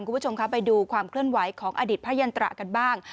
คุณผู้ชมครับไปดูความเคลื่อนไหวของอดีตพระยันตรากันบ้าง